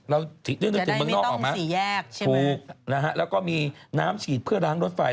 ได้นึกถึงเมืองนอกออกไหมถูกนะฮะแล้วก็มีน้ำฉีดเพื่อล้างรถไฟ